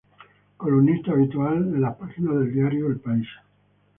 Columnista habitual de las páginas del diario El País.